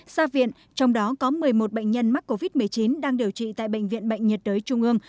xa viện trong đó có một mươi một bệnh nhân mắc covid một mươi chín đang điều trị tại bệnh viện bệnh nhiệt đới trung ương